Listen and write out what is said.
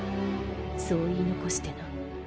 そう言い残してな。